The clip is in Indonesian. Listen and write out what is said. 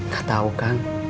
gak tau kan